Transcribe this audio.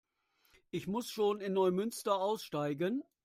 Ich muss schon in Neumünster aussteigen